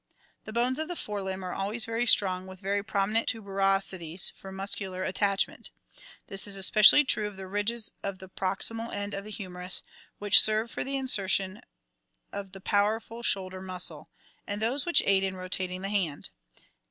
The bones of the fore limb are always very strong, with very prominent tuberosi ties for muscular at tachment. This is especially true of the ridges at the proxi mal end of the hu merus, which serve for the insertion of the powerful shoulder muscle, and those which aid in rotating the hand.